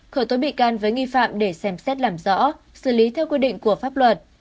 khởi tố bị can với nghi phạm để xem xét làm rõ xử lý theo quy định của pháp luật